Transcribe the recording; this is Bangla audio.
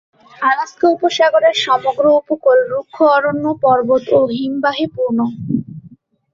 আলাস্কা উপসাগরের সমগ্র উপকূল রুক্ষ অরণ্য, পর্বত ও হিমবাহে পূর্ণ।